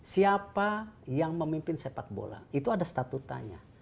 siapa yang memimpin sepak bola itu ada statutanya